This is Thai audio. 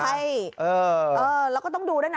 ใช่แล้วก็ต้องดูด้วยนะ